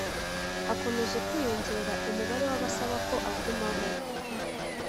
Hakomeje kwiyongera umubare w’abasaba ko agumaho